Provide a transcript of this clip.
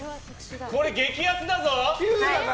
これ、激アツだぞ。